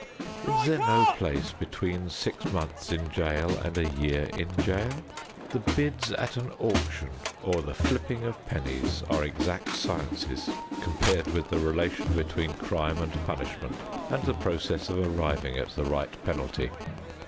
Is there no place between six months in jail and a year in jail? The bids at an auction or the flipping of pennies are exact sciences compared with the relation between crime and punishment and the process of arriving at the right penalty.